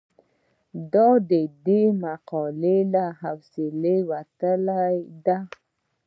دا د دې مقالې له حوصلې وتلې ده.